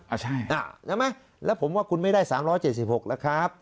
อ่าใช่อ่านะไหมแล้วผมว่าคุณไม่ได้สามร้อยเจ็ดสิบหกแล้วครับ